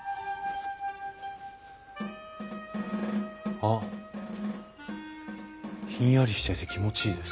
あっひんやりしてて気持ちいいです。